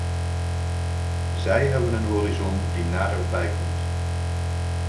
Zij hebben een horizon die naderbij komt.